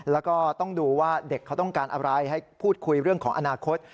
แล้วก็ต้องดูว่าเด็กเขาต้องการอะไรให้พูดคุยเรื่องของอนาคต